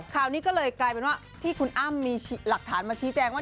คราวนี้ก็เลยกลายเป็นว่าที่คุณอ้ำมีหลักฐานมาชี้แจงว่า